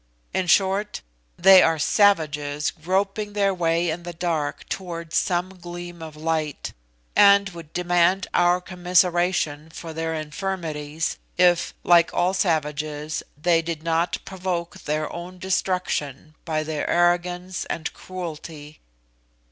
In short, they are savages groping their way in the dark towards some gleam of light, and would demand our commiseration for their infirmities, if, like all savages, they did not provoke their own destruction by their arrogance and cruelty.